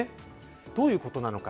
どういうことなのか。